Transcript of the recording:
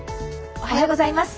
おはようございます。